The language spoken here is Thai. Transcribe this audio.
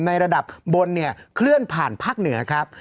ในระดับบนเนี่ยเคลื่อนผ่านภาคเหนือครับ